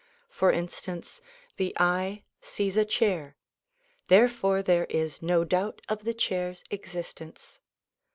For instance, the eye sees a chair; therefore there is no doubt of the chair's existence.